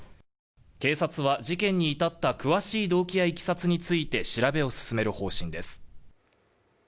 警察は事件に至った詳しい動機やいきさつについて調べを進める方針です。